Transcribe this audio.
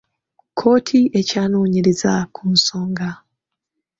Kkooti ekyanoonyereza ku nsonga.